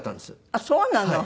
あっそうなの。